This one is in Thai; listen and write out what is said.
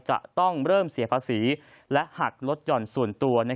จะต้องเริ่มเสียภาษีและหักลดหย่อนส่วนตัว